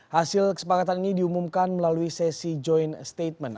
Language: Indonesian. hasil kesepakatan ini diumumkan melalui sesi joint statement